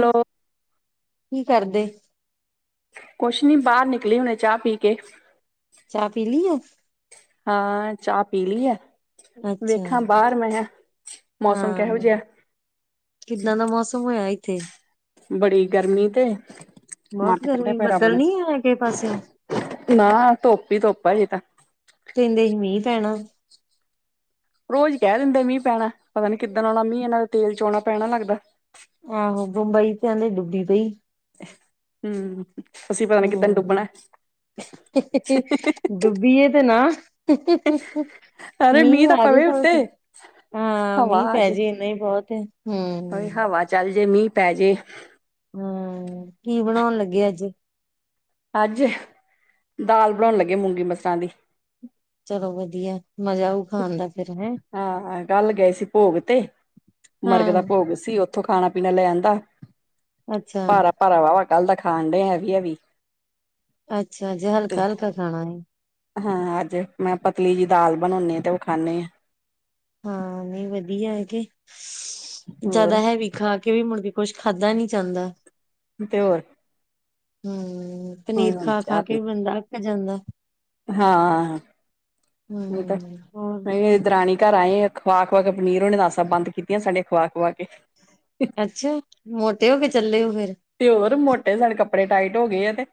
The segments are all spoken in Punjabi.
ਹੈਲੋ ਕੀ ਕਰਦੇ ਕੋਸ਼ ਨੀ ਬਾਰ ਨਿਕਲੀ ਹੁਨੇ ਚਾ ਪੀ ਕੇ। ਚਾ ਪੀ ਲੀ ਏ? ਹਾਂ, ਚਾ ਪੀ ਲੀ ਏ। ਅੱਛਾ ਵੇਖਾਂ, ਬਾਰ ਮੈਂ, ਮੌਸਮ ਕੈਹੋ ਹਾਂ ਜਿਹੈ। ਕਿੱਦਾਂ ਦਾ ਮੌਸਮ ਹੋਇਆ ਇੱਥੇ? ਬੜੀ ਗਰਮੀ ਤੇ ਬਹੁਤ ਵੱਟ ਕੱਢੇ ਗਰਮੀ ਪੇ ਰੱਬ ਬੱਦਲ ਨੇ। ਨੀ ਹੈ ਕਿਸੇ ਪਾਸਿਓ ਨਾ, ਧੁੱਪ ਹੀ ਧੁੱਪ ਐ ਅੱਜੇ ਤਾਂ। ਕਹੰਦੇ ਮੀਂਹ ਪੈਨਾ। ਰੋਜ ਕੈ ਦਿੰਦੇ ਮੀਂਹ ਪੈਣੈ। ਪਤਾ ਨੀ ਕਿੱਦਨ ਔਨਾ ਮੀਂਹ ਏਨਾਂ ਦਾ, ਤੇਲ ਚੋਣਾ ਪੈਣਾ, ਲੱਗਦੈ। ਆਹੋ, ਬੰਬਈ ਪਹੈਲੇ ਡੁੱਬੀ ਪਈ। ਹੂੰ? ਅਸੀਂ ਪਤਾ ਨੀ ਕਿੱਦਨ ਹਮ ਡੁੱਬਨੈ। ਡੁੱਬੀਏ ਤੇ ਨਾ ਅਰੇ ਮੀਂਹ ਹਜੇ ਪਵੇ ਤਾਂ ਉੱਤੇ ਔਥੇ ਹਾਂ ਮੀਂਹ ਪੈ ਜੇ ਏਨਾ ਹੀ ਬੋਹਤ ਐ। ਔਵੇਂ ਹਵਾ ਚੱਲ ਜੇ, ਮੀਂਹ ਪੈ ਜੇ ਕੀ ਬਨੌਣ ਲੱਗੇ, ਅੱਜ। ਅੱਜ, ਦਾਲ ਬਨਾਣ ਲੱਗੀ ਆਂ ਮੂੰਗੀ ਮਸਰਾਂ ਦੀ। ਚਲੋ ਵਧੀਐ, ਮਜ਼ਾ ਆਊ। ਖਾਣ ਦਾ ਫਿਰ ਹੈ ਹਾਂ, ਕੱਲ ਗਏ ਸੀ ਭੋਗ ਤੇ। ਮਰਗੇ ਦਾ ਹਾਂ ਭੋਗ ਸੀ, ਔਥੇ। ਔ ਖਾਣਾ ਪੀਣਾ ਲੈ ਆਂਦਾ। ਅੱਛਾ। ਭਰਾ ਹੋਵਾ ਕੱਲ ਦਾ ਖਾਨ ਡੇਆ ਹੈਵੀ ਹੈਵੀ। ਅੱਛਾ ਜੀ ਤੇ ਹਲਕਾ ਹਲਕਾ ਖਾਨਾ ਏ। ਹਾਂ ਅੱਜ ਮੈਂ ਪਤਲੀ ਜੀ ਦਾਲ ਬਨਾਨੀ ਆ ਤੇ ਔਹ ਖਾਂਨੇ ਆਂ। ਹਾਂ ਨਈ ਵਧੀਆ ਐ ਗੀ ਹੋਰ ਜਿਆਦਾ ਹੈਵੀ ਖਾ ਕੇ ਵੀ ਮੁੜ ਵੀ ਕੁੱਛ ਖਾਧਾ ਨੀ ਜਾਂਦਾ। ਤੇ ਔਰ ਹੂੰ ਪਨੀਰ ਹੁਣ ਖਾ ਖਾ ਚਾਹ ਕੇ ਵੀ ਪੀਤੀ ਬੰਦਾ ਅੱਕ ਜਾਂਦਾ। ਹਾਂ, ਇਹ ਤਾ ਹਮ ਹੋਰ ਹੈ ਦਰਾਨੀ। ਘਰ ਆਏ ਖਵਾ ਖਵਾ ਕੇ ਪਨੀਰ ਏ ਨਾਸਾਂ ਬੰਦ ਕੀਤੀਆਂ ਸਾਡੇ ਖੁਵਾ ਖਵਾ ਕੇ। ਅੱਛਾ ਮੋਟੇ ਔ ਕੇ ਚੱਲੇ ਔ ਫੇਰ। ਤੇ ਔਰ ਮੋਟੇ ਨਾਲ ਕੱਪੜੇ ਟਾਈਟ ਹੋ ਗਏ ਆ ਤੇ।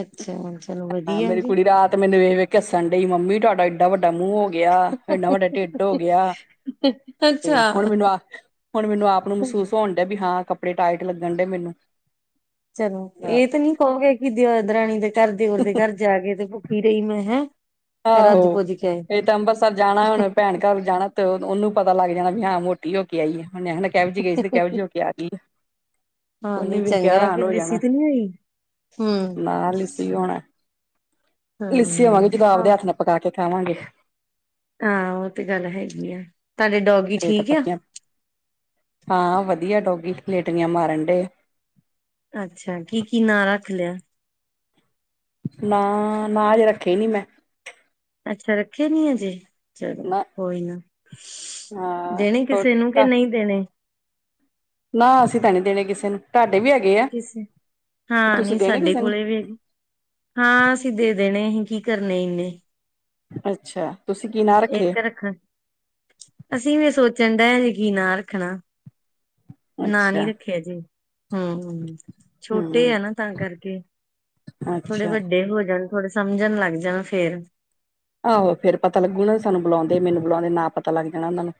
ਅੱਛਾ ਚਲੋ ਵਧੀਆ ਮੇਰੀ ਜੀ ਕੁੜੀ ਰਾਤ ਮੈਨੂੰ ਵੇਖ ਵੇਖ ਹਸਂਨ ਡਈ ਮੰਮੀ ਤੁਹਾਡਾ ਏਡਾ ਵੱਡਾ ਮੂੰਹ ਹੋ ਗਿਆ ਏਡਾ ਵੱਡਾ ਢਿੱਡ ਹੋ ਗਿਆ, ਤੇ ਅੱਛਾ ਹੁਨ ਮੈਨੂੰ ਆ ਹੁਨ ਮੈਨੂੰ ਆਪ ਨੂੰ ਮਹਿਸੂਸ ਹੋਨ ਡੇਆ ਵੀ ਹਾਂ ਕੱਪੜੇ ਟਾਈਟ ਲੱਗਨ ਡੇ ਮੈਨੂੰ। ਚਲੋ, ਇਹ ਤੇ ਨੀ ਕਹੋਗੇ ਕਿ ਦਰਾਣੀ ਦੇ ਘਰ ਦਿਓਰ ਦੇ ਘਰ ਜਾ ਕੇ ਤੇ ਕੀ ਰਹੀ ਮੈਂ ਹੈਂ। ਰੱਜ ਆਹੋ, ਪੁੱਜ ਕੇ ਆਏ ਹਜੇ ਤਾਂ ਅੰਬਰਸਰ ਜਾਣਾ ਹੁਣ ਭੈਣ ਘਰ ਜਾਣਾ ਤੇ, ਉਹਨੂੰ ਪਤਾ ਲੱਗ ਜਾਣਾ ਵੀ ਹਾਂ ਮੋ ਹੋ ਕੇ ਆਈ ਏ ਉਹਨੇ ਕਹਿਣਾ ਕਿਹੋ ਜਿਹੀ ਗਈ ਸੀ, ਤੇ ਕਿਹੋ ਜੀ ਹੋਕੇ ਆ ਗਈਏ। ਹਾਂ ਓਨੇ ਨਹੀਂ ਵੀ ਵੇਖ ਕੇ ਚੰਗਾ ਕਿ ਹੈਰਾਨ ਹੋ ਲੱਸੀ ਜਾਣਾ, ਤੇ ਨੀ ਹੋਈ ਹਮ ਨਾਲ ਹੀ ਸੀ ਹੋਣਾ ਹੂੰ, ਲੱਸੀ ਹੋਵਾਂਗੇ ਜਦੋਂ ਆਪਦੇ ਹੱਥ ਨਾਲ ਪਕਾ ਕੇ ਖਾਵਾਂਗੇ। ਹਾਂ, ਉਹ ਤੇ ਗੱਲ ਹੈਗੀ ਐ ਤੁਹਾਡੇ ਡੋ ਤੇਰੀਆਂ ਤਾਂ ਪੱਕੀਆਂ, ਹਾਂ ਵਧੀਆ ਡੋਗੀ ਲੇਟੀਆਂ ਮਾਰਨ ਡੇ ਅੱਛਾ, ਕੀ-ਕੀ ਨਾਂ ਰੱਖ ਲਿਆ। ਨਾ ਨਾ ਹਜੇ ਰੱਖੇ ਨੀ ਮੈਂ, ਅੱਛਾ, ਰੱਖੇ ਨੀ ਅਜੇ ਚਲੋ ਨਾ ਕੋਈ ਨਾ, ਹਾਂ ਦੇਣੇ ਹੋਰ ਕਿਸੇ ਨੂੰ ਕਿ ਨਈ ਦੇਣੇ ਨਾ, ਅਸੀਂ ਤਾਂ ਨੀ ਦੇਣੇ ਕਿਸੇ ਨੂੰ ਤੁਹਾਡੇ ਵੀ ਹੈ ਕਿਸੇ, ਹਾਂ ਨਈ ਸਾਡੇ ਕਿਸੇ ਨੂੰ ਕੋਲੇ ਵੀ ਹੈਗੀ। ਹਾਂ ਅਸੀਂ ਦੇ ਦੇਣੇ ਅਸੀਂ ਕੀ ਕਰਨੇ ਇੰਨੇ ਅੱਛਾ, ਤੁਸੀਂ ਕੀ ਨਾ ਇੱਕ ਰੱਖਣ, ਅਸੀਂ ਵੀ ਸੋਚਣ ਡਏ ਸੀਂ ਕੀ ਨਾ ਰੱਖਣਾ ਨਾ, ਨਈ ਅੱਛਾ ਰੱਖਿਆ ਜੀ। ਹੂੰ, ਛੋਟੇ ਹਮ ਆ ਨਾ ਤਾਂ ਕਰਕੇ ਥੋੜੇ ਅੱਛਾ ਵੱਡੇ ਹੋ ਜਾਣ ਥੋੜੇ ਸਮਝਣ ਲੱਗ ਜਾਣਾ ਫੇਰ ਆਹੋ ਫੇਰ ਪਤਾ ਲੱਗੂਗਾ, ਨਾ ਸਾਨੂੰ ਬੁਲਾਉਂਦੇ ਮੈਨੂੰ ਬੁਲਾਉਂਦੇ ਨਾ ਪਤਾ ਲੱਗ ਜਾਣਾ ਉਹਨਾਂ ਨੂੰ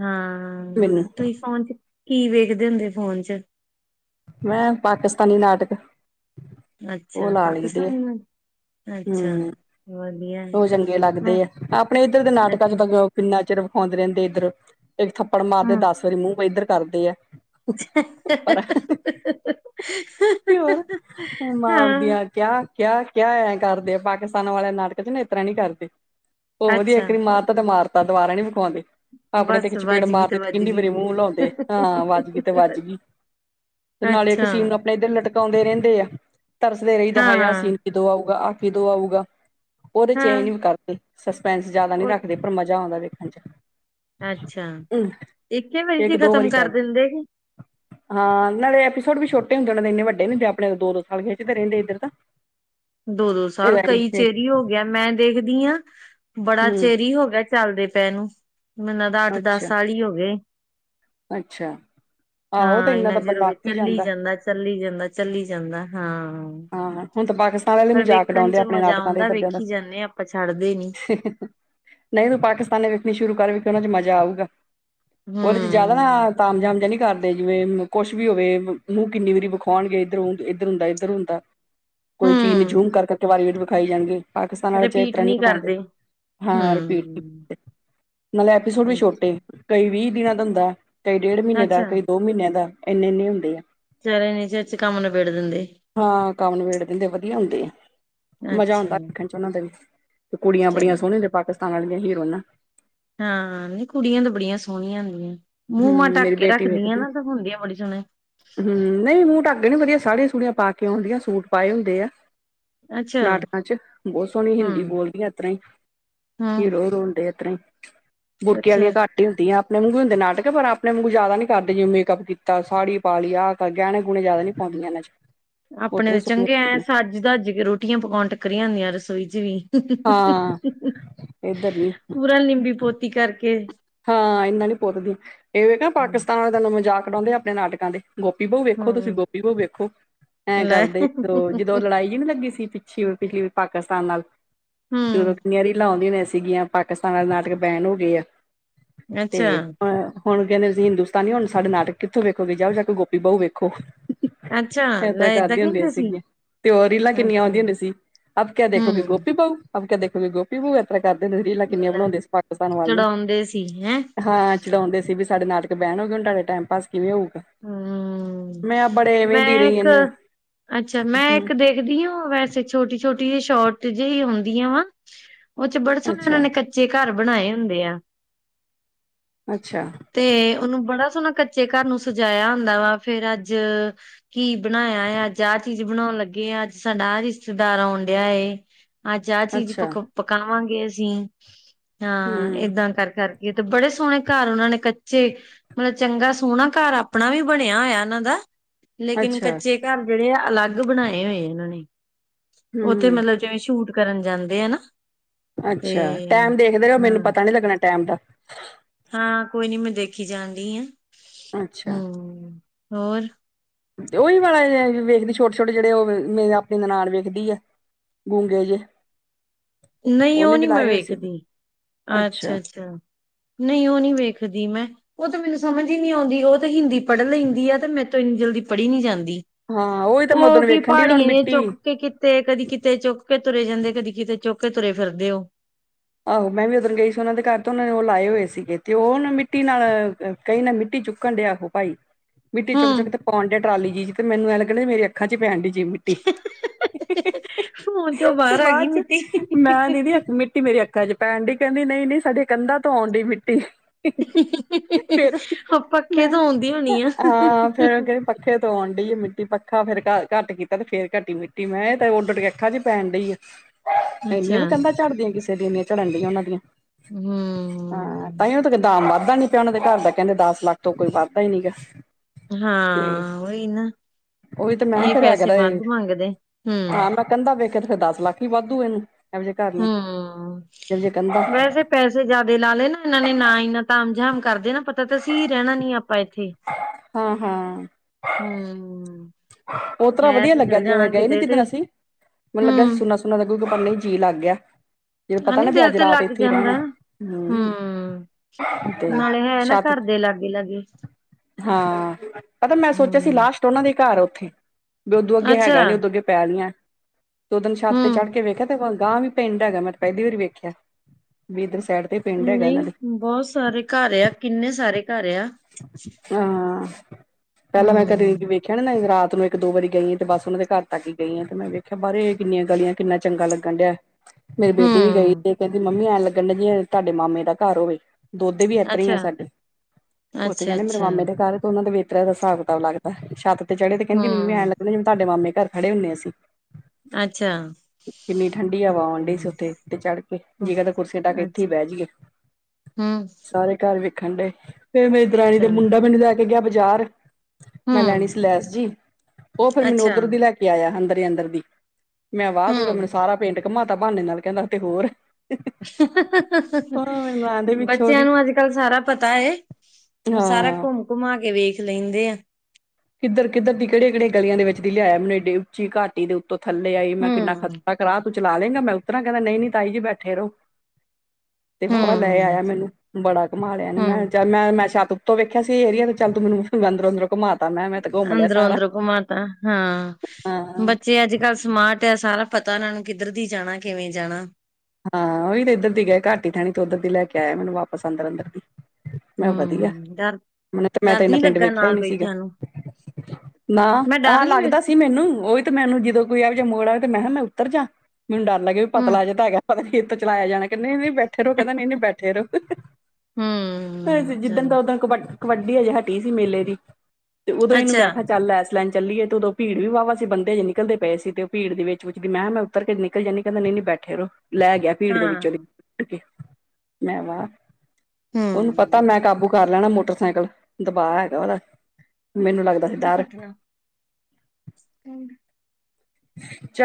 ਹਾਂ, ਮੈਨੂੰ ਤੁਸੀਂ ਫੋਨ ਚ ਕੀ ਵੇਖਦੇ ਹੁੰਦੇ ਫੋਨ ਚ? ਮੈਂ, ਪਾਕਿਸਤਾਨੀ ਨਾਟਕ। ਅੱਛਾ, ਪਾਕਿਸਤਾਨੀ ਮ ਹੂੰ ਹੈ ਉਹ ਚੰਗੇ ਲੱਗਦੇ ਮੈਂ ਆ, ਆਪਣੇ ਇੱਧਰ ਦੇ ਨਾਟਕਾਂ ਚ ਅੱਛਾ ਤਾਂ ਕਿੰਨਾ ਚਿਰ ਵਿਖਾਉਂਦੇ ਰਹਿੰਦੇ ਇੱਧਰ ਇੱਕ ਥੱਪੜ ਮਾਰਦੇ ਹਮ ਦਸ ਵਾਰੀ ਮੂੰਹ ਇੱਧਰ ਕਰਦੇ ਆ ਪਰ [inaudible] [inaudible] ਹੋਰ [inaudible] ਹਾਂ ਮਾਰਦੀਆਂ ਕਿਆ ਕਿਆ ਕਿਆ ਐ ਕਰਦੇ ਆ, ਪਾਕਿਸਤਾਨ ਵਾਲੇ ਨਾਟਕ ਚ ਏ ਤਰ੍ਹਾਂ ਨੀ ਕਰਦੇ। ਉਹ ਵਧੀਆ ਇੱਕ ਅੱਛਾ ਵਾਰੀ ਮਾਰਤਾ ਤੇ ਮਾਰਤਾ ਦੁਬਾਰਾ ਨੀ ਵਿਖਉਂਦੇ ਆਪਣੇ ਤੇ ਬਸ ਚਪੇੜ ਵੱਜ ਗਈ ਤੇ ਮਾਰਦੇ, ਵੱਜ ਕਿੰਨੀ ਗਈ ਵਾਰੀ ਮੂੰਹ ਹ- ਲਾਉਂਦੇ, ਹਾਂ ਵਾਜ ਗਿ ਤੇ ਵਾਜ ਗਈ ਤੇ ਨਾਲੇ, ਇੱਕ ਅੱਛਾ ਸੀਨ ਨੂੰ ਆਪਣੇ ਇੱਧਰ ਲਟਕਾਉਂਦੇ ਰਹਿੰਦੇ ਆ, ਤਰਸਦੇ ਰਹੀ ਦਹਾਇਆ ਇਹ ਹਾਂ ਸੀਨ ਕਿਦੋਂ ਆਊਗਾ, ਆ ਕਿਦੋਂ, ਆਊਗਾ ਉਹਦੇ ਚ ਇਹ ਹਾਂ ਨਹੀਂ ਕਰਦੇ ਸਸਪੈਂਸ ਜ਼ਿਆਦਾ ਨਹੀਂ ਉਹ ਰੱਖਦੇ, ਪਰ ਮਜ਼ਾ ਆਉਂਦਾ ਵੇਖਣ 'ਚ, ਅੱਛਾ, ਇੱਕੇ ਵਾਰੀ ਚ ਖ਼ਤਮ ਕਰ ਦਿੰਦੇ ਹੀ। ਹਾਂ ਨਾਲੇ ਐਪੀਸੋਡ ਵੀ ਛੋਟੇ ਹੁੰਦੇ, ਉਹ ਦੇ ਇਨੇ ਵੱਡੇ ਨਹੀਂ ਦੇ ਆਪਣੇ ਦੋ, -ਦੋ ਸਾਲ ਖਿੱਚਦੇ ਰਹਿੰਦੇ ਇੱਰ ਤਾਂ, ਦੋ -ਦੋ ਸਾਲ ਕਈ ਚੇਰੀ ਹੋ ਗਿਆ, ਮੈਂ ਦੇਖਦੀ ਹਾਂ ਬੜਾ ਹੂੰ ਚੇਰੀ ਹੋ ਗਿਆ ਚੱਲਦੇ ਪਏ ਨੂੰ ਮੈਨੂੰ ਲਗਦਾ ਤਾਂ ਅੱਠ - ਦਸ ਅੱਛਾ ਸਾਲ ਹੀ ਹੋ ਗਏ ਅੱਛਾ ਆਹੋ ਤੇ ਹਾਂ, ਇੰਨਾ ਇਹਨਾ ਤਾਂ ਬੰਦਾ ਚਿਰ ਅੱਕ ਚੱਲੀ ਹੀ ਜਾਂਦਾ ਚੱਲੀ ਜਾਂਦਾ, ਚੱਲੀ ਜਾਂਦਾ, ਹਾਂ, ਹਾਂ ਹੁਣ, ਤਾਂ ਪਾਕਿਸ ਐਵੇ ਪਰ ਮਜ਼ਾਕ ਵੇਖਣ ਉਡਾਉਂਦੇ ਆ, ਚ ਆਪਣੇ ਮਜ਼ਾ ਨਾਟਕਾਂ ਦੇ ਆਉਂਦਾ ਇਧਰ ਦੇ ਦਾ ਵੇਖੀ ਜਾਂਦੇ ਆ ਆਪਾਂ ਛੱਡਦੇ ਨੀ ਨਹੀਂ ਤੂੰ ਪਾਕਿਸਤਾਨ ਨੇ ਵੇਖਣੀ ਸ਼ੁਰੂ ਕਰ, ਵੇਖ ਉਹਨਾ ਚ ਮਜ਼ਾ ਆਊਗਾ, ਉਹਦੇ ਚ ਜ਼ਿਆਦਾ ਨਾ, ਹੂੰ ਤਾਮ ਜਾਮ ਜਾ ਨੀ ਕਰਦੇ ਜਿਵੇ, ਕੁਛ ਵੀ ਹੋਵੇ ਮੂੰਹ ਕਿੰਨੀ ਵਾਰੀ ਵਿਖਾਉਣਗੇ, ਇੱਧਰ -ਇੱਧਰ ਹੁੰਦਾ ਇੱਧਰ ਹੁੰਦਾ। ਕੋਈ ਚੀਜ਼ ਨੂੰ ਹੂੰ ਜੂਮ ਕਰਕੇ ਵਾਰੀ-ਵਾਰੀ ਵਿਖਾਈ ਜਾਣਗੇ। ਪਾਕਿਸਤਾਨ ਵਾਲੇ ਚ ਇਸ ਰਿਪੀਟ ਤਰਾ ਨਹੀ ਨਹੀਂ ਦੇਖੰਦੇ ਕਰਦੇ ਹੂੰ ਹਾ ਰਪੀਟ ਨਾਲੇ ਐਪੀਸੋਡ ਵੀ ਛੋਟੇ ਅੱਛਾ ਕਈ ਵੀਹ ਦਿਨਾਂ ਦਾ, ਹੁੰਦਾ ਕਈ ਡੇਢ ਮਹੀਨੇ ਦਾ, ਅੱਛਾ ਕਈ ਦੋ ਮਹੀਨਿਆਂ ਦਾ। ਇੰਨੇ-ਇੰਨੇ ਹੁੰਦੇ ਆ। ਜੀਦਾ ਏਨੀ ਚੀਰ ਕੰਮ ਨਬੇੜ ਦਿੰਦੇ ਹਾ ਨਬੇੜ ਦਿੰਦੇ ਵਧੀਆ ਹੁੰਦੇ ਆ, ਮਜ਼ਾ ਅੱਛਾ ਆਉਦਾ ਦੇਖਣ ਚ ਉਹਨਾਂ ਦੇ ਵੀ। ਤੇ ਕੁੜੀਆਂ ਚਲੋ ਬੜੀਆਂ ਸੋਹਣੀਆਂ ਹੁੰਦੀਆਂ ਪਾਕਿਸਤਾਨ ਵਾਲੀਆਂ, ਹੀਰੋਇਨ ਹਾਂ, ਨਹੀਂ! ਕੁੜੀਆਂ ਤਾਂ ਬੜੀਆਂ ਸੋਹਣੀਆਂ ਹੁੰਦੀਆਂ। ਹੂੰ ਮੂੰਹ ਮਾਂ ਢੱਕ ਮੇਰੀ ਕੇ ਰੱਖਦੀਆਂ ਨਾ, ਤੇ ਹੁੰਦੀਆ ਬੜੀ ਸੋਹਣੀਆਂ। ਹਮ, ਨਹੀਂ! ਮੂੰਹ ਢੱਕ ਕੇ ਨੀ, ਵਧੀਆ ਸਾੜੀਆਂ-ਸੂੜੀਆਂ ਪਾ ਕੇ ਆਉਂਦੀਆਂ, ਸੂਟ ਪਾਏ ਹੁੰਦੇ ਆ। ਅੱਛਾ ਨਾਟਕਾਂ 'ਚ ਬਹੁਤ ਸੋਹਣੀ ਹਿੰਦੀ ਹੂੰ ਬੋਲਦੀਆ, ਇਤਰ੍ਹਾਂ ਹੀ। ਹੂੰ ਹੀਰੋ ਹੁੰਦੇ ਇਸ ਤਰ੍ਹਾਂ ਹੀ ਬੁਰਕੀਆਂ ਅੱਛਾ ਵਾਲੀਆਂ ਘੱਟ ਹੁੰਦੀ ਆਪਣੇ ਵਾਂਗੂੰ ਹੀ, ਹੋਂਦੇ ਨਾਟਕ! ਪਰ ਆਪਣੇ ਵਾਂਗੂੰ ਜਾਦਾ ਨੀ ਕਰਦੇ, ਜਿਵੇਂ ਮੇਕਅਪ ਕੀਤਾ, ਸਾੜੀ ਪਾਲੀ ਆ ਕਰ ਗਹਿਣੇ-ਗੁਣੇ ਜ਼ਿਆਦਾ ਨੀ ਪਾਉਂਦੀਆਂ ਨੇ। ਆਪਣੇ ਤਾਂ ਚੰਗੇ ਐ, ਸੱਜ-ਦੱਜ ਕੇ ਰੋਟੀਆਂ ਪਕਾਉਣ ਟੱਕਰੀਆਂ ਹੁੰਦੀਆਂ ਰਸੋਈ 'ਚ ਵੀ। ਹਹ ਹਹ ਹਹ, ਹਾਂ ਇੱਧਰ ਨੀ ਪੂਰਾ ਲਿੰਬੀ-ਪੋਤੀ ਕਰਕੇ। ਹਾਂ, ਇੰਨਾ ਨੀ ਪੁੱਤਦੀ! ਇਹ ਵੀ, ਪਾਕਿਸਤਾਨ ਵਾਲੇ ਤੈਨੂੰ, ਮਜ਼ਾਕ ਉਡਾਉਂਦੇ ਆ ਆਪਣੇ ਨਾਟਕਾਂ ਦੇ। ਗੋਪੀ ਬਹੂ ਵੇਖੋ ਤੁਸੀਂ, ਹੂੰ ਗੋਪੀ ਬਹੂ ਵੇਖੋ! ਐਂ ਲੈ ਕਰਦੇ ਜਦੋਂ ਲੜਾਈ। ਨੀ ਲੱਗੀ ਸੀ ਪਿੱਛੇ, ਪਿਛਲੀ ਵਾਰੀ ਪਾਕਿਸਤਾਨ ਨਾਲ ਜਦੋਂ ਹੂੰ ਕਿੰਨੀਆਂ ਰੀਲਾਂ ਆਉਂਦੀਆਂ ਸੀਗੀਆਂ! ਪਾਕਿਸਤਾਨ ਵਾਲੇ ਨਾਟਕ ਬੈਨ ਹੋ ਗਏ ਆ। ਤੇ ਅੱਛਾ ਹੁਣ ਕਹਿੰਦੇ- ਤੁਸੀਂ ਹਿੰਦੁਸਤਾਨੀ ਹੁਣ ਸਾਡੇ ਨਾਟਕ ਕਿੱਥੋਂ ਵੇਖੋਗੇ? ਜਾਓ, ਜਾਂ ਕੇ ਗੋਪੀ ਬਹੂ ਵੇਖੋ! ਅੱਛਾ ਇਸ ਤਰ੍ਹਾਂ ਲੈ ਏਦਾਂ ਕਰਦਿਆਂ ਹੁੰਦੀਆਂ ਕਹਿੰਦੇ ਸੀ ਸੀਗੀਆਂ। ਤੇ ਉਹ ਰੀਲਾਂ ਕਿੰਨੀਆਂ ਅੱਛਾ ਆਉਂਦੀਆਂ ਹੁੰਦੀਆ ਸੀ, ਅਬ ਕਿਆ ਦੇਖੋਗੇ- ਹੂੰ ਗੋਪੀ ਬਹੂ? ਅਬ ਕਿਆ ਦੇਖੋਗੇ? ਗੋਪੀ ਬਹੂ! ਇਸ ਤ੍ਹਾਂ ਕਰਦੇ, ਰੀਲਾ ਕਿੰਨੀਆ ਬਣਾਉਂਦੇ ਸੀ ਪਾਕਿਸਤਾਨ ਵਾਲੇ! ਹਮ ਹਮ। ਹਾਂ, ਚੌਟੜੇ ਸੀ ਵੀ ਸਾਡੇ ਨਾਟਕ ਬਹਿਣ ਹੋ ਗਏ, ਹੁਣ ਤੁਹਾਡਾ ਟਾਈਮ-ਪਾਸ ਕਿਵੇਂ ਹੋਊਗਾ? ਹਮ! ਮੈਂ ਬੜੇ ਵੇਂਦੀ ਮੈਂ ਰਹੀ ਇੱਕ, ਇਹਨੂੰ ਅੱਛਾ, ਮੈਂ ਹੂੰ ਇੱਕ ਦੇਖ ਵੈਸੇ, ਛੋਟੀ-ਛੋਟੀ ਜੀ ਸ਼ੋਰਟ ਜਿਹੀ ਹੁੰਦੀਆ ਵਾ ਉਹਦੇ 'ਚ ਬੜੇ ਸੋਹਣੇ ਉਹਨਾਂ ਅੱਛਾ, ਨੇ ਕੇ ਕੱਚੇ ਘਰ ਬਣਾਏ ਹੁੰਦੇ ਆ। ਅੱਛਾ! ਤੇ ਉਹਨੂੰ ਬੜਾ ਸੋਹਣਾ ਕੱਚੇ ਘਰ ਨੂੰ ਸਜਾਇਆ ਹੁੰਦਾ ਵਾ। ਫੇਰ ਅੱਜ ਕੀ ਬਣਾਇਆ ਹੈ? ਅੱਜ ਆਹ ਚੀਜ਼ ਬਣਾਉਣ ਲੱਗੇ ਆ। ਅੱਜ ਸਾਡਾ ਏ ਰਿਸ਼ਤੇਦਾਰ ਆਉਣ ਡਿਆ ਐ। ਅੱਜ ਆਹ ਚੀਜ਼ ਅੱਛਾ ਪਕਾ ਪਕਾਵਾਂਗੇ ਅਸੀਂ, ਹਾਂ। ਹੂੰ ਏਦਾਂ ਕਰ-ਕਰ। ਤੇ ਬੜੇ ਸੋਹਣੇ ਘਰ ਉਹਨਾਂ ਨੇ ਕੱਚੇ ਮਤਲਬ, ਚੰਗਾ ਸੋਹਣਾ ਘਰ ਆਪਣਾ ਵੀ ਬਣਿਆ ਹੋਇਆ ਇਹਨਾਂ ਦਾ, ਲੇਕਿਨ ਅੱਛਾ ਕੱਚੇ ਘਰ ਜਿਹੜੇ ਆ, ਅਲੱਗ ਬਣਾਏ ਹੋਏ। ਇਹਨਾਂ ਨੇ ਉੱਥੇ ਹੂੰ ਮਤਲਬ ਜਿਵੇਂ ਸ਼ੂਟ ਕਰਨ ਜਾਂਦੇ ਹੈ ਨਾ। ਤੇ ਅੱਛਾ। ਟੈਮ ਦੇਖਦੇ ਰਹੋ, ਹਾਂ। ਮੈਨੂੰ ਪਤਾ ਨੀ ਲੱਗਣਾ ਟੈਮ ਦਾ। ਹਾਂ। ਕੋਈ ਨੀ, ਮੈਂ ਦੇਖੀ ਜਾਣ ਡਈ ਆਂ। ਹਾਂ। ਅੱਛਾ ਹਮ, ਹੋਰ ਉਹੀ ਵਾਲਾ ਵੇਖਦੀ, ਛੋਟੇ-ਛੋਟੇ ਜਿਹੜੇ ਉਹ ਆਪਣੀ ਨਨਾਨ ਵੇਖਦੀ ਆ। ਗੂੰਗੇ ਜੇ ਨਹੀਂ, ਉਹ ਉਹਨੇ ਵੀ ਨੀ ਮੈਂ ਲਾਏ ਹੋਏ ਸੀ ਵੇਖਦੀ। ਅੱਛਾ ਅੱਛਾ-ਅੱਛਾ। ਨਹੀਂ, ਉਹ ਨਹੀਂ ਵੇਖਦੀ ਮੈਂ। ਉਹ ਤਾਂ ਮੈਨੂੰ ਸਮਝ ਹੀ ਨਹੀਂ ਆਉਂਦੀ, ਉਹ ਤਾਂ ਹਿੰਦੀ ਪੜ੍ਹ ਲੈਂਦੀ ਆ ਤੇ ਮੇਰੇ ਤੋਂ ਇੰਨੀ ਜਲਦੀ ਪੜ੍ਹੀ ਨੀ ਜਾਂਦੀ। ਹਾਂ ਉਹੀ ਤਾਂ ਮੈਂ ਉਦਣ ਉਹ ਕੀ ਵੇਖਣ ਡੀ ਹੁਣ ਪਹਾੜੀਏ ਨੇ ਮਿੱਟੀ ਚੁੱਕ ਕਿਤੇ ਕਦੀ ਕਿਤੇ ਚੁੱਕ ਕੇ ਤੁਰੇ ਜਾਂਦੇ, ਕਦੀ ਕਿਤੇ ਚੁੱਕ ਕੇ ਤੁਰੇ ਫਿਰਦੇ ਉਹ। ਆਹੋ, ਮੈਂ ਵੀ ਉੱਧਰ ਗਈ ਸੀ। ਉਹਨਾਂ ਦੇ ਘਰ ਤੇ ਉਹਨਾ ਨੇ ਉਹ ਲਾਏ ਹੋਏ ਸੀਗੇ। ਤੇ ਉਹ ਮਿੱਟੀ ਨਾਲ ਕਈ ਨਾ ਮਿੱਟੀ ਚੁੱਕਣ ਡਿਆ ਉਹ ਭਾਈ। ਮਿੱਟੀ ਚੁੱਕ-ਚੁੱਕ ਹੂੰ ਤੇ ਪਾਉਣ ਡਿਆ, ਟਰਾਲੀ ਜੀ 'ਤੇ ਮੈਨੂੰ ਐਂ ਲੱਗਨ ਡਿਆ, ਮੇਰੀ ਅੱਖਾਂ 'ਚ ਪੈਣਡੀ ਰਈ ਮਿੱਟੀ। ਫੋਨ ਚੋਂ ਤੇ ਬਾਹਰ ਆ ਗਈ ਬਾਅਦ ਚ ਮੈਂ ਦੀਦੀ ਮਿੱਟੀ ਹੱਥ ਮਿੱਟੀ [unintelligible] ਮਿੱਟੀ ਮੇਰੀ ਅੱਖਾਂ 'ਚ ਪੈਣ ਡਈ, ਕਹਿੰਦੀ ਨਹੀਂ-ਨਹੀਂ ਸਾਡੀ ਕੰਧਾਂ ਤੋਂ ਆਉਣ ਡਈ ਮਿੱਟੀ। ਹੂੰ, ਹੂੰ, ਫੇਰ ਹੂੰ ਓ ਪੱਖੇ ਮੈਂ ਤੋਂ ਆਉਂਦੀ ਹੋਣੀ ਆ। ਹਾਂ ਫੇਰ ਕਹਿੰਦੀ ਪੱਖੇ ਤੋਂ ਆਉਣ ਡਈ ਆ ਮਿੱਟੀ, ਪੱਖਾ ਫੇਰ ਘ-ਘ, ਘੱਟ ਕੀਤਾ, ਤੇ ਫੇਰ ਘੱਟੀ ਮਿੱਟੀ। ਮੈਂ ਇਹ ਤਾ ਉੱਡ- ਉੱਡ ਕੇ ਅੱਖਾਂ 'ਚ ਪੈਣ ਡਈਆ। ਇੰਨੀਆਂ ਵੀ ਅੱਛਾ ਕੰਦਾਂ ਝੜਦੀਆਂ ਕਿਸੇ ਦੀਆਂ, ਇੰਨੀਆਂ ਝੜਨ ਦੀਆਂ ਉਹਨਾਂ ਦੀਆਂ। ਹਮ ਹਾਂ। ਤਾਂਹੀਓ, ਤਾਂ ਹਜੇ ਦਾਮ ਵੱਧਦਾ ਨੀ ਪਿਆ, ਉਹਨਾਂ ਦੇ ਘਰ ਦੇ ਕਹਿੰਦੇ, ਦਸ ਲੱਖ ਤੋਂ ਕੋਈ ਵੱਧਦਾ ਹੀ ਨੀਗਾ। ਹਾਂ, ਉਹੀ ਨਾ ਉਹੀ ਤੇ ਮੈਂ ਕਿਹਾ ਇਹ ਫੇਰ ਪੈਸੇ ਵੱਧ ਮੰਗਦੇ। ਹੂੰ ਕੰਧਾ ਵੇਖ ਕੇ 'ਤੇ ਫਿਰ ਦਸ ਲੱਖ ਵੀ ਵਾਧੂ, ਇਹਨੂੰ ਇਹੋ ਜਿਹੇ ਘਰ ਨੂੰ। ਹਮ ਜੇ ਕਹਿੰਦਾ ਵੈਸੇ ਪੈਸੇ ਜ਼ਿਆਦੇ ਲਾ ਲਏ ਨਾ ਇਹਨਾਂ, ਨੇ ਨਾ ਇੰਨਾ ਤਾਮਝਾਮ ਕਰਦੇ। ਨਾ ਪਤਾ ਤਾਂ ਸੀ, ਰਹਿਣਾ ਨੀ ਆਪਾਂ ਇੱਥੇ। ਹਾਂ-ਹਾਂ। ਹੂੰ ਉਹ ਤਰ੍ਹਾਂ ਵਧੀਆ ਲੱਗਿਆ, ਜਿਵੇਂ ਗਏ ਨੀ ਤੇ ਜਿੱਦਣ ਅਸੀਂ ਮੈਨੂੰ ਲੱਗਿਆ ਹਮ ਸੁਨਾ ਉਹਨਾਂ ਦਾ ਗੁਗ ਪਾਂਦੇ ਹੀ ਜੀ ਲੱਗ ਗਿਆ। ਜਿਵੇਂ ਪਤਾ ਆਨੀ ਨਾ ਵੀ ਦਿਲ ਅੱਜ 'ਤੇ ਰਾਤ ਲੱਗ ਇੱਥੇ ਹੀ ਰਹਿਣਾ ਜਾਂਦਾ, ਹੂੰ ਹਮ। ਤੇ ਨਾਲੇ ਹੈ ਨਾ, ਛੱਤ ਘਰ ਦੇ ਲੱਗ ਮਿਲਾਂਗੀ। ਹਾਂ, ਪਤਾ ਮੈਂ ਸੋਚਿਆ ਸੀ। ਹਮ ਲਾਸਟ ਇੱਕ ਤੇ ਉਹਨਾਂ ਦੇ ਘਰ ਉੱਥੇ ਵੀ, ਵੇ ਉਦੋਂ ਅੱਗੇ ਅੱਛਾ ਹੈਗਾ ਨੀ, ਉਦੋਂ ਅੱਗੇ ਪੈਲੀਆਂ ਐ। 'ਤੇ ਉਦਣ ਛੱਤ ਤੇ ਹਮ ਚੜ ਕੇ ਵੇਖਿਆ। 'ਤੇ ਗਾਂਹ ਵੀ ਪਿੰਡ ਹੈਗਾ, ਮੈਂ ਤੇ ਪਹਿਲੀ ਵਾਰੀ ਵੇਖਿਆ। ਬੀ ਇਧਰ ਸਾਈਡ ਤੇ ਪਿੰਡ ਹੈਗਾ ਇਹਨਾਂ ਨਹੀਂ, ਦੇ ਬਹੁਤ ਸਾਰੇ ਘਰ ਆ। ਕਿੰਨੇ ਸਾਰੇ ਘਰ ਆ। ਹਾਂ, ਪਹਿਲਾਂ ਮੈਂ ਕਦੀ ਹਮ ਵੇਖਿਆ ਨਹੀ ਰਾਤ ਤੇ ਮੈਂ ਇੱਕ-ਦੋ ਵਾਰੀ ਗਈ ਆ। ਤੇ ਬਸ ਉਹਨਾਂ ਦੇ ਘਰ ਤੱਕ ਹੀ ਗਈ ਆ। ਤੇ ਮੈਂ ਵੇਖਿਆ ਬਾਹਰ ਏ, ਇਹ ਕਿੰਨੀਆਂ, ਗਲੀਆਂ ਕਿੰਨਾ ਚੰਗਾ ਲੱਗਣ ਡਿਆ। ਮੇਰੀ ਬੇਟੀ ਵੀ ਗਈ, ਹਮ ਤੇ ਕਹਿੰਦੀ ਮੰਮੀ ਐ ਲੱਗਣ ਡੀਆ, ਜਿਵੇਂ ਤੁਹਾਡੇ ਮਾਮੇ ਦਾ ਘਰ ਹੋਵੇ। ਦੋਤੇ ਵੀ ਇਤਰਾ ਹੀ ਆ, ਅੱਛਾ ਸਾਡੇ ਉੱਥੇ ਅੱਛਾ ਜਾਣੇ ਅੱਛਾ ਮਾਮੇ ਦੇ ਘਰ ਤੇ ਉਹਨਾਂ ਦਾ ਵੇਤਰਾ ਦਾ ਸਾਬ। ਪਤਾ ਲਗਦਾ, ਛੱਤ ਤੇ ਚੜੇ ਤੇ ਕਹਿੰਦੀ ਮੰਮੀ ਐਂ ਹਮ ਲਗਦਾ, ਜਿਵੇਂ ਤੁਹਾਡੇ ਮਾਮੇ ਘਰ ਖੜੇ ਹੁੰਨੇ ਆ ਅਸੀਂ। ਅੱਛਾ। ਕਿੰਨੀ ਠੰਡੀ ਹਵਾ ਆਉਂਡੀਈ ਸੀ। ਹਮ ਉੱਥੇ ਤੇ ਚੜ੍ਹ ਕੇ ਜੀ ਕਰਦਾ, ਕੁਰਸੀਆਂ ਢਾਹ ਕੇ ਇੱਥੇ ਹੀ ਅੱਛਾ ਬਹਿ ਜਾਈਏ। ਹਮ ਸਾਰੇ ਘਰ ਵੀ। ਖੰਡੇ ਫੇਰ ਮੇਰੀ ਦਰਾਣੀ ਦਾ ਅੱਛਾ ਮੁੰਡਾ ਮੈਨੂੰ ਲੈ ਕੇ ਗਿਆ। ਬਾਜ਼ਾਰ ਮੈਂ ਹਮ ਲੈਣੀ ਸੀ ਲੈਸ ਜੀ ਓ ਫਿਰ ਮੈਨੂੰ ਅੱਛਾ ਉੱਧਰੋ ਦੀ ਲੈ ਕੇ ਆਇਆ। ਅੰਦਰ ਹੀ ਅੰਦਰ ਦੀ ਮੈਂ ਵਾਹ ਤੂੰ ਤਾਂ ਹਮ ਮੈਨੂੰ ਸਾਰਾ ਪਿੰਡ ਕੁਮਾਤਾ ਬਾਨੇ ਨਾਲ ਕਹਿੰਦਾ 'ਤੇ ਹੋਰ ਹਾਂ ਮੈਨੂੰ ਨਾਂ ਦੇ ਪਿੱਛੋਂ ਬੱਚੇਆਂ ਦੀ ਨੂੰ ਅੱਜ-ਕੱਲ ਸਾਰਾ ਪਤਾ ਏ ਹਾਂ ਘੁੰਮਾ ਕੇ ਵੇਖ ਲੈਂਦੇ ਆ ਕਿੱਧਰ-ਕਿੱਧਰ ਦੀ, ਕਿਹੜੀਆਂ-ਕਿਹੜੀਆਂ ਗਲੀਆਂ ਦੇ ਵਿੱਚ ਦੀ ਲਿਆਇਆ ਮੈਨੂੰ ਇਡੀ ਉੱਚੀ ਘਾਟੀ ਦੇ ਉੱਤੋਂ ਥੱਲੇ ਆਈ। ਮੈਂ ਕਿੰਨਾ ਹਮ ਖ਼ਤਰਾ ਰਾਹ ਤੂੰ ਚਲਾ ਲੇਗਾ, ਮੈਂ ਉਤਰਾਂ ਕਹਿੰਦਾ ਨਈ-ਨਈ ਤਾਈ ਜੀ ਬੈਠੇ ਰਹੋ। ਤੇ ਵਾਵਾ ਲੈ ਹਮ ਆਇਆ। ਮੈਨੂੰ ਬੜਾ ਘੁੰਮਾ ਲਿਆ ਇੰਨੇ ਹਮ ਮੈਂ ਕਿਹਾ ਚੱਲ। ਮੈਂ, ਮੈਂ ਛਤ ਉੱਤੋਂ ਵੇਖਿਆ ਸੀ, ਏਰੀਆ 'ਤੇ ਚੱਲ ਤੂੰ ਮੈਨੂੰ ਅੰਦਰੋ- ਅੰਦਰੋ ਘੁੰਮਾ ਤਾ ਅੰਦਰੋਂ-ਅੰਦਰੋਂ ਘੁੰਮਾ ਤਾ, ਹਾਂ ਬੱਚੇ ਅੱਜ-ਕੱਲ ਸਮਾਟ ਆ, ਸਾਰਾ ਪਤਾ ਉਨਾਂ ਨੂੰ ਕਿੱਧਰ ਦੀ ਜਾਣਾ ਕਿਵੇਂ ਜਾਣਾ। ਹਾਂ ਉਹੀ ਤੇ ਇੱਧਰ ਦੀ ਗਏ, ਘਾਟੀ ਥਾਣੀ ਤੇ ਉੱਧਰ ਦੀ ਲੈ ਕੇ ਆਇਆ। ਮੈਨੂੰ ਵਾਪਸ ਅੰਦਰ-ਅੰਦਰ ਦੀ ਮੈਂ ਵਧੀਆ, ਹਮ ਡਰ ਮਨਤ ਮੈਂ 'ਤੇ ਡਰ ਇਨ੍ਹਾਂ ਨੀ ਪਿੰਡ ਲੱਗਾ ਵੇਖਿਆ ਹੀ ਨਾਲ ਨਈ ਸੀਗਾ। ਬੈਠਿਆਂ ਨੂੰ ਨਾ, ਮੈਂ ਡਰ ਆਹਾਂ ਨੀ ਮ ਲੱਗਦਾ ਸੀ। ਕਿ, ਮੈਨੂੰ ਉਹੀ ਤੇ ਮੈਨੂੰ ਜਦੋਂ ਕੋਈ ਏਹੋ ਜਿਹਾ ਮੋੜ ਆਵੇ 'ਤੇ ਮੈਂ ਕਿਹਾ, ਮੈਂ ਉੱਤਰ ਜਾ ਮੈਨੂੰ ਡਰ ਲੱਗੇ, ਪਤਲਾ ਹਮ ਜਿਹਾ ਤਾਂ ਹੈਗਾ। ਮੈਂ ਕਿਹਾ ਇਹਤੋ ਚਲਾਇਆ ਜਾਣਾ ਕੇ ਨਈ ਨਈ ਬੈਠੇ ਰਹੋ ਕਹਿੰਦਾ ਨਈ-ਨਈ ਬੈਠੇ ਰਹੋ, ਹਮ ਜਿੱਦਣ ਚਲੋ ਦਾ ਉਦਾਂ ਕਬੱਡੀ ਕੱਬਡੀ ਅਜੇ ਹਟੀ ਸੀ, ਮੇਲੇ ਦੀ ਤੇ ਉਦੋਂ ਇਨੂੰ ਅੱਛਾ ਮੈਂ ਆਖਾ ਚੱਲ ਲੈਸ ਲੈਣ ਚੱਲੀਏ 'ਤੇ ਉਦੋਂ ਭੀੜ ਵੀ ਵਾਹਵਾ ਸੀ। ਬੰਦੇ ਹਜੇ ਨਿਕਲਦੇ ਪਏ ਸੀ, ਤੇ ਓ ਭੀੜ ਦੇ ਵਿੱਚ-ਵਿੱਚ ਦੀ ਮੈਂ, ਮੈਂ ਉੱਤਰ ਕੇ ਨਿਕਲ ਜਾਣੀ ਆ, ਕਹਿੰਦਾ ਨਈ-ਨਈ ਬੈਠੇ ਰੋ। ਲੈ ਗਿਆ ਭੀੜ ਦੇ ਹਾਂ ਵਿੱਚੋਂ ਦੀ, ਕਢ ਕੇ ਮੈਂ ਵਾਹ। ਹਮ ਉਨੂੰ ਪਤਾ ਮੈਂ ਕਾਬੂ ਕਰ ਲੈਣਾ, ਮੋਟਰਸਾਈਕਲ ਦਬਾਅ ਹੈਗਾ ਉਦਾ। ਮੈਨੂੰ ਲੱਗਦਾ ਸੀ ਡਰ। ਹੂੰ! ਚ